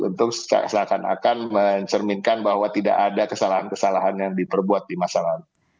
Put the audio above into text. untuk seakan akan mencerminkan bahwa tidak ada kesalahan kesalahan yang diperbuat di masa lalu